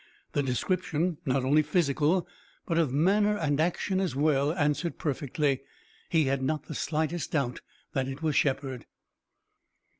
The description, not only physical, but of manner and action as well, answered perfectly. He had not the slightest doubt that it was Shepard.